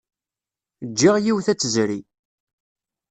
Jjiɣ yiwet ad tezri.